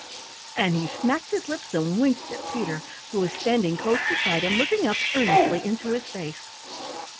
And he smacked his lips and winked at Peter who was standing close beside him, looking up earnestly into his face.